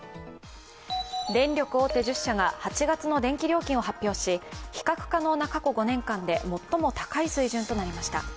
電力大手１０社が８月の電気料金を発表し比較可能な過去５年間で最も高い水準となりました。